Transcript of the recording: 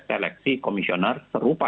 seleksi komisioner serupa